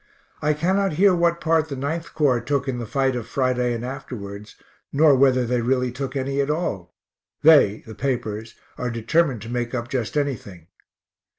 I cannot hear what part the 9th Corps took in the fight of Friday and afterwards, nor whether they really took any at all (they, the papers, are determined to make up just anything).